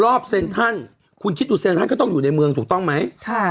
รอบเซ็นทันคุณชิตุเซ็นทันก็ต้องอยู่ในเมืองถูกต้องไหมค่ะ